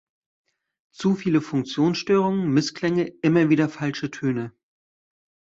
Zu viele Funktionsstörungen, Missklänge, immer wieder falsche Töne!